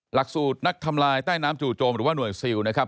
หลักสูตรนักทำลายใต้น้ำจู่โจมหรือว่าหน่วยซิลนะครับ